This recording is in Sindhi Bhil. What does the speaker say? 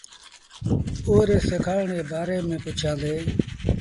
اُئي ري سِکآڻ ري بآري ميݩ پُڇيآندي۔